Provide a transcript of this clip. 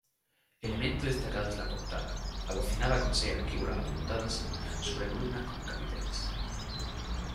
Elemento destacado es la portada, abocinada con seis arquivoltas apuntadas, sobre columnas con capiteles.